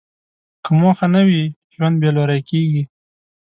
که موخه نه وي، ژوند بېلوري کېږي.